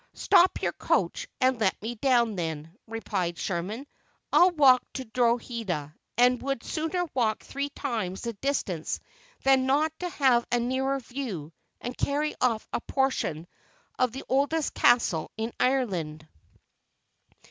"Stop your coach, and let me down then," replied Sherman; "I'll walk to Drogheda, and would sooner walk three times the distance than not have a nearer view, and carry off a portion of the oldest castle in Ireland."